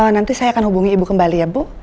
nanti saya akan hubungi ibu kembali ya bu